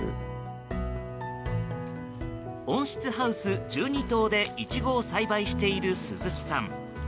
温室ハウス１２棟でイチゴを栽培している鈴木さん。